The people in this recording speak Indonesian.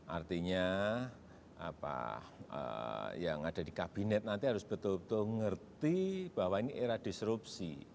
artinya apa yang ada di kabinet nanti harus betul betul ngerti bahwa ini era disrupsi